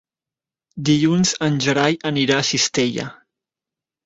Dilluns en Gerai anirà a Cistella.